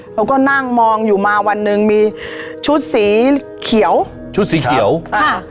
เขาก็นั่งมองอยู่มาวันหนึ่งมีชุดสีเขียวชุดสีเขียวอ่า